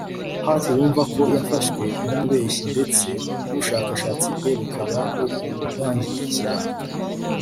Harth wumva ko yafashwe nk’umubeshyi ndetse n’ubushabitsi bwe bukaba buri kuhangirikira